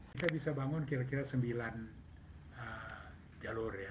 kita bisa bangun kira kira sembilan jalur ya